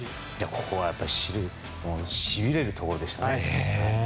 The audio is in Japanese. ここはしびれるところでしたね。